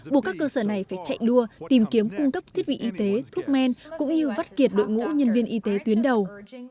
buộc các cơ sở này phải chạy đua tìm kiếm cung cấp thiết bị y tế thuốc men cũng như vắt kiệt đội ngũ nhân viên y tế tuyến đầu